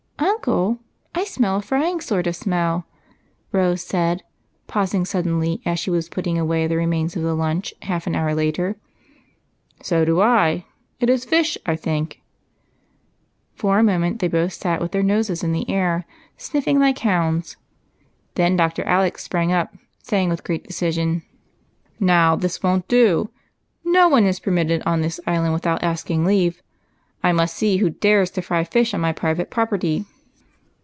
" Uncle, I smell a frying sort of a smell," Rose said, pausing suddenly as she was putting away the remains of the lunch half an hour later. 6 o 98 EIGHT COUSINS, « So do I ; it is fish, I think." For a moment they both sat with their noses in the air, sniffing like hounds ; then Dr. Alec sj^rang up, saying with great decision, —" Now tliis won't do ! No one is permitted on this island without asking leave. I must see who dares to fry fish on my private property."